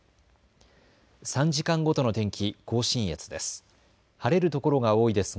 ３時間ごとの天気、甲信越です。